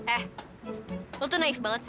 eh lu tuh naif banget sih